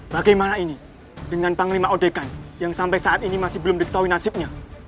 bagaimana ini dengan panglima odeka yang sampai saat ini masih belum diketahui nasibnya